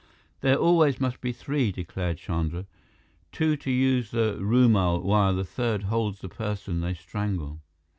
"There always must be three," declared Chandra. "Two to use the rumal while the third holds the person they strangle.